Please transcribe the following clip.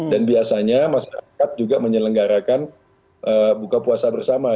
dan biasanya masyarakat juga menyelenggarakan buka puasa bersama